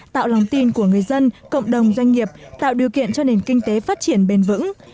tạo lòng tin của người dân cộng đồng doanh nghiệp tạo điều kiện cho nền kinh tế phát triển bền vững